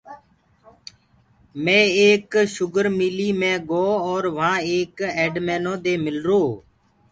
مي ايڪ شُگر ملي مي گو اور وهآنٚ ايڪ ايڊمينو دي مِلرو۔